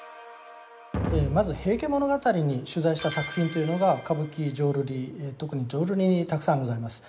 まず「平家物語」に取材した作品というのが歌舞伎浄瑠璃特に浄瑠璃にたくさんございます。